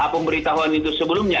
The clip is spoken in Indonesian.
pemberitahuan itu sebelumnya